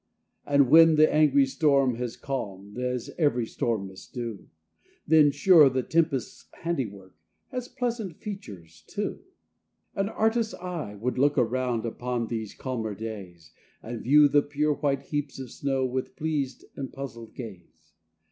And when the angry storm has calm'd, As ev'ry storm must do, Then, sure, the tempest's handiwork, Has pleasant features, too. An artist's eye would look around, Upon these calmer days, And view the pure white heaps of snow, With pleas'd and puzzl'd gaze.